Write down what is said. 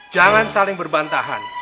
jangan saling berbantahan